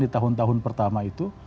tahun tahun pertama itu